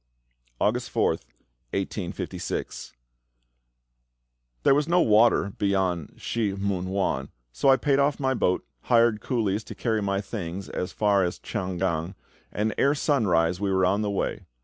August 4th, 1856. There was no water beyond Shih mun wan, so I paid off my boat, hired coolies to carry my things as far as to Chang gan, and ere sunrise we were on the way.